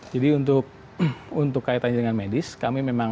jadi untuk kaitannya dengan medis kami memang